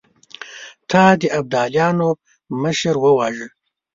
تا د ابداليانو مشر وواژه!